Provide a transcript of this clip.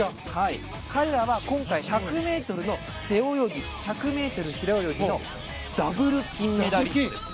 彼らは今回、１００ｍの背泳ぎ１００ｍ平泳ぎのダブル金メダリストです。